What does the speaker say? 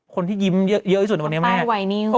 คนที่ยิ้มเยอะที่สุดในวันนี้แม่นิ่ง